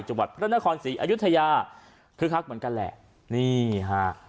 จังหวัดพระนครศรีอยุธยาคึกคักเหมือนกันแหละนี่ฮะ